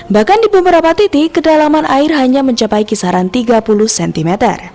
bahkan di beberapa titik kedalaman air hanya mencapai kisaran tiga puluh cm